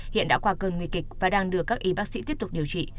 hiện đã qua cơn nguy kịch và đang được các y bác sĩ tiếp tục điều trị